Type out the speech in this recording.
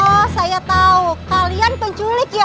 oh saya tahu kalian penculik ya